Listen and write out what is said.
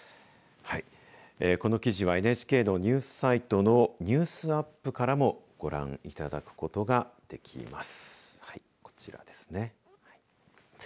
この記事はＮＨＫのニュースサイトのＮｅｗｓＵｐからもご覧いただくことができます。